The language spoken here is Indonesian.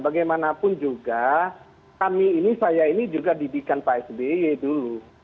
bagaimanapun juga kami ini saya ini juga didikan pak sby dulu